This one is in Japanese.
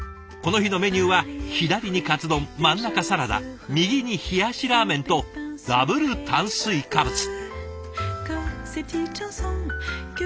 この日のメニューは左にかつ丼真ん中サラダ右に冷やしラーメンとダブル炭水化物。